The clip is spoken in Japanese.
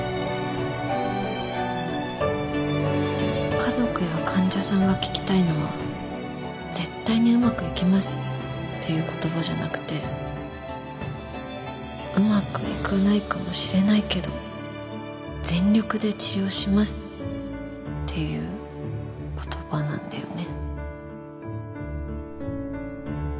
家族や患者さんが聞きたいのは「絶対にうまくいきます」っていう言葉じゃなくて「うまくいかないかもしれないけど全力で治療します」っていう言葉なんだよね。